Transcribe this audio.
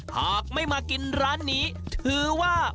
หากไม่มากินร้านนี้ถือว่า